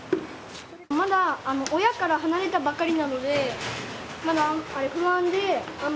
まだ親から離れたばかりなのでまだ不安であんまり飲まない。